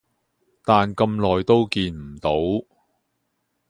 但咁耐都見唔到